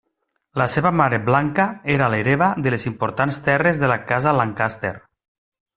La seva mare Blanca era l'hereva de les importants terres de la Casa Lancaster.